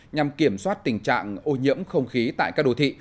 nhằm kiểm soát tình trạng ô nhiễm không khí tại các đô thị